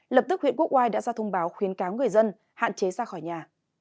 lập tức huyện quốc oai đã ra thông báo khuyến cáo người dân hạn chế ra khỏi nhà